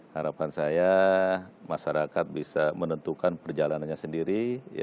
harapan saya masyarakat bisa menentukan perjalanannya sendiri